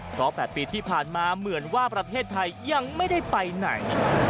เพราะ๘ปีที่ผ่านมาเหมือนว่าประเทศไทยยังไม่ได้ไปไหน